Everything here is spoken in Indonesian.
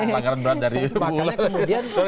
pelanggaran berat dari bung sebastian